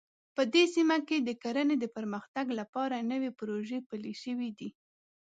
په دې سیمه کې د کرنې د پرمختګ لپاره نوې پروژې پلې شوې دي